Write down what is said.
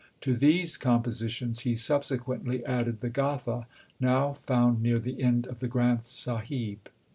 To these compositions he subsequently added the Gatha, now found near the end of the Granth Sahib.